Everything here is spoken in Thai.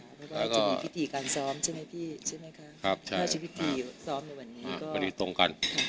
แล้วก็จะมีพิธีการซ้อมใช่ไหมพี่ใช่ไหมคะราชพิธีซ้อมในวันนี้ก็ดีตรงกัน